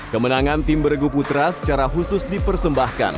kemenangan tim bergu putra secara khusus dipersembahkan